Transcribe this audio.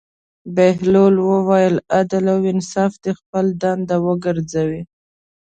بهلول وویل: عدل او انصاف دې خپله دنده وګرځوه.